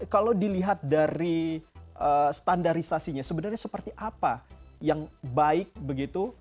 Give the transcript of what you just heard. kalau dilihat dari standarisasinya sebenarnya seperti apa yang baik begitu